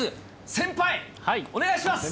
先輩、お願いします。